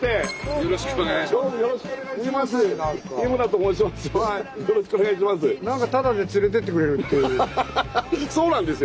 よろしくお願いします。